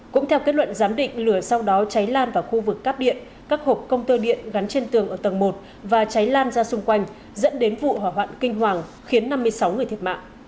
cũng theo kết luận giám định lửa sau đó cháy lan vào khu vực cắp điện các hộp công tơ điện gắn trên tường ở tầng một và cháy lan ra xung quanh dẫn đến vụ hỏa hoạn kinh hoàng khiến năm mươi sáu người thiệt mạng